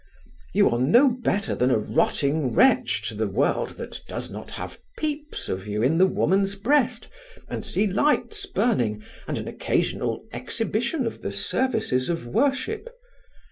You are no better than a rotting wretch to the world that does not have peeps of you in the woman's breast, and see lights burning and an occasional exhibition of the services of worship.